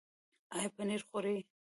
ایا پنیر خورئ؟